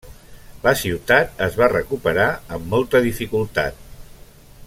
La ciutat es va recuperar amb molta dificultat.